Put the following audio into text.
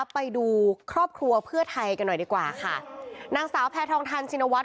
ไปดูครอบครัวเพื่อไทยกันหน่อยดีกว่าค่ะนางสาวแพทองทันชินวัฒ